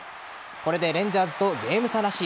これでレンジャーズとゲーム差なし。